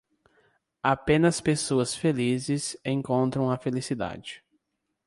Apenas pessoas felizes encontram a felicidade.